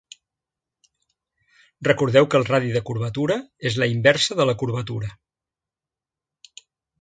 Recordeu que el radi de curvatura és la inversa de la curvatura.